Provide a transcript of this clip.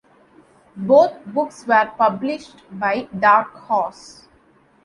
Both books were published by Dark Horse.